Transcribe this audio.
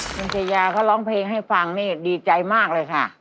คุณชายาเขาร้องเพลงให้ฟังนี่ดีใจมากเลยค่ะ